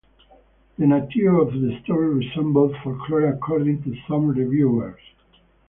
The nature of the story resembled folklore according to some reviewers.